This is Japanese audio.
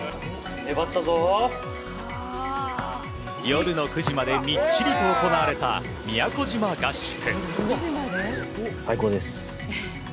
夜の９時までみっちりと行われた宮古島合宿。